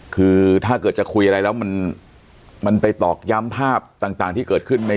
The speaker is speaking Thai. คือถ้าเกิดจะคุยอะไรแล้วมันไปตอกย้ำภาพต่างที่เกิดขึ้นใน